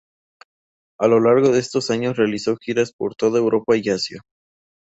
A lo largo de estos años realizó giras por toda Europa y Asia.